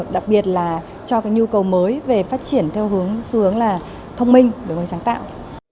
đặc biệt là cho cái nhu cầu mới về phát triển theo hướng thông minh để mình sáng tạo